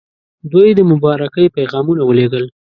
دوی د مبارکۍ پیغامونه ولېږل.